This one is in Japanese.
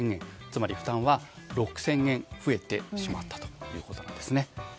つまり負担は６０００円増えてしまったということです。